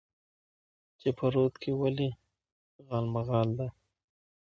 چې په رود کې ولې غالمغال دى؟